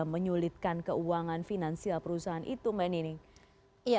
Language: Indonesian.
menyulitkan keuangan finansial perusahaan itu mbak nining